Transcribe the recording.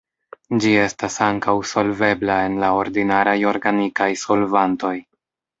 Ĝi estas ankaŭ solvebla en la ordinaraj organikaj solvantoj.